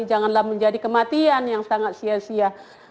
janganlah menjadi kematian yang sangat sia sia